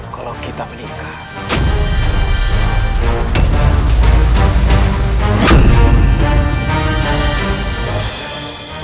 kalau kita menikah